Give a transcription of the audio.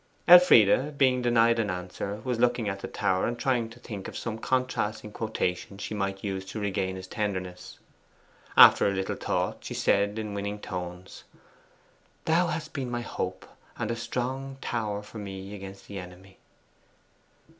Elfride, being denied an answer, was looking at the tower and trying to think of some contrasting quotation she might use to regain his tenderness. After a little thought she said in winning tones "Thou hast been my hope, and a strong tower for me against the enemy."